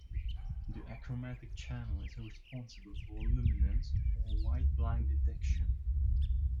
The achromatic channel is responsible for luminance, or white-black detection.